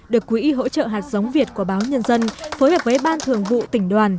được quỹ hỗ trợ hạt giống việt của báo nhân dân phối hợp với ban thường vụ tỉnh đoàn